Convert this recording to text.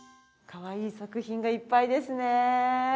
かわいい作品がいっぱいですね。